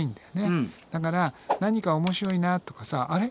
だから何か面白いなとかさあれ？